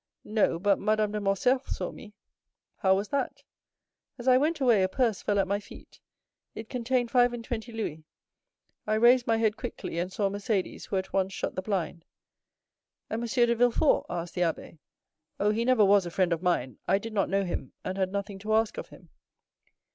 "No, but Madame de Morcerf saw me." "How was that?" "As I went away a purse fell at my feet—it contained five and twenty louis; I raised my head quickly, and saw Mercédès, who at once shut the blind." "And M. de Villefort?" asked the abbé. "Oh, he never was a friend of mine, I did not know him, and I had nothing to ask of him."